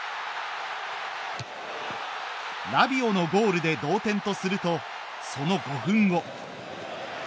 ラビオのゴールで同点とするとその５分後。